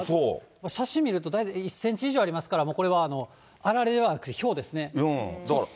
写真見ると、大体１センチ以上ありますから、これはあられではなくひょうですね。